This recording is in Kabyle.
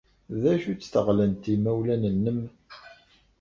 D acu-tt teɣlent n yimawlan-nnem?